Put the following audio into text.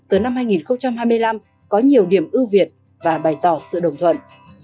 từ năm hai nghìn hai mươi năm có nhiều điểm ưu việt và bày tỏ sự đồng thuận